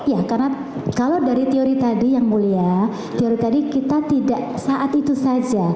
ya karena kalau dari teori tadi yang mulia teori tadi kita tidak saat itu saja